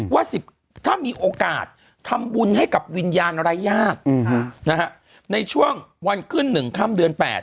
ว่า๑๐ถ้ามีโอกาสทำบุญให้กับวิญญาณไร้ญาติในช่วงวันขึ้น๑ค่ำเดือน๘